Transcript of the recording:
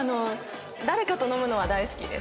誰かと飲むのは大好きです。